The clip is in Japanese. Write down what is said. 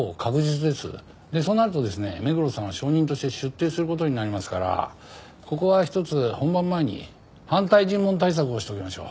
でそうなるとですね目黒さんは証人として出廷する事になりますからここは一つ本番前に反対尋問対策をしておきましょう。